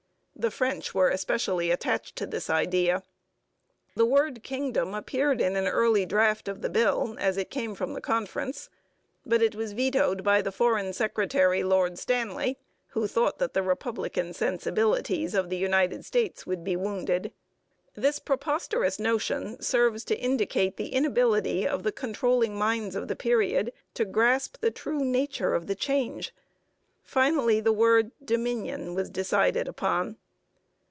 The French were especially attached to this idea. The word Kingdom appeared in an early draft of the bill as it came from the conference. But it was vetoed by the foreign secretary, Lord Stanley, who thought that the republican sensibilities of the United States would be wounded. This preposterous notion serves to indicate the inability of the controlling minds of the period to grasp the true nature of the change. Finally, the word 'Dominion' was decided upon.